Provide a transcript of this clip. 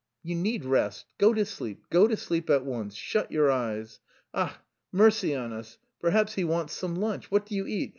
You need rest; go to sleep, go to sleep at once, shut your eyes. Ach, mercy on us, perhaps he wants some lunch! What do you eat?